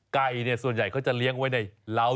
ไก่เนี่ยส่วนใหญ่เขาจะเลี้ยงไว้ในลาวด์